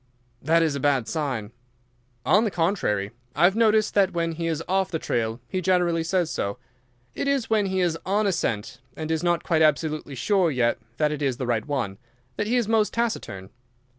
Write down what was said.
"That is a bad sign." "On the contrary, I have noticed that when he is off the trail he generally says so. It is when he is on a scent and is not quite absolutely sure yet that it is the right one that he is most taciturn.